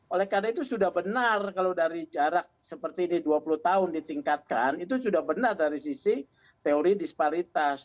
oleh karena itu sudah benar kalau dari jarak seperti ini dua puluh tahun ditingkatkan itu sudah benar dari sisi teori disparitas